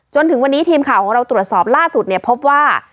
จนถึงวันนี้ทีมข่าวของเราตรวจสอบล่าสุดเนี่ยพบว่า